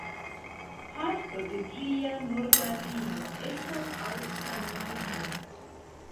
Parto de ĝia norda limo estas al San-Marino.